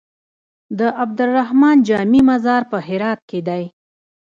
د عبدالرحمن جامي مزار په هرات کی دی